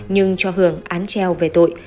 nhưng cho hưởng án treo về tội